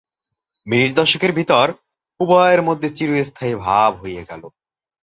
Minute দশেকের ভিতরে উভয়ের মধ্যে চিরস্থায়ী ভাব হইয়া গেল।